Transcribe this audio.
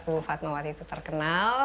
bu fatmawati itu terkenal